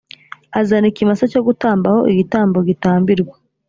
azana ikimasa cyo gutamba ho igitambo gitambirwa